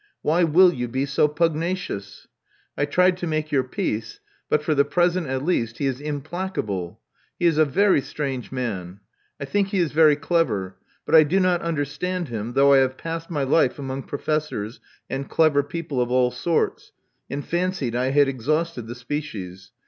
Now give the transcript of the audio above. Why will you be so pusrnacious? I tried to make your peace; but, for the present at least, he is implacable. He is a very strange man. I think he is very clever; but I do not understand him, though I have passed my life among prv^fessors and clever people of all sorts, and fancied I bad oxliaustod the species.